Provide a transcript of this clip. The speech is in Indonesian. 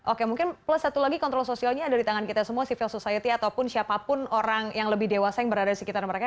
oke mungkin plus satu lagi kontrol sosialnya ada di tangan kita semua civil society ataupun siapapun orang yang lebih dewasa yang berada di sekitar mereka